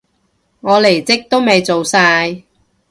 我離職都未做晒